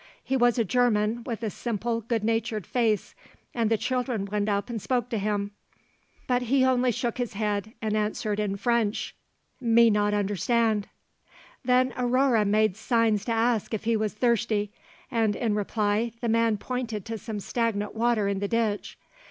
He was a German with a simple good natured face, and the children went up and spoke to him, but he only shook his head and answered in French, 'me not understand.' Then Aurore made signs to ask if he was thirsty, and in reply the man pointed to some stagnant water in the ditch.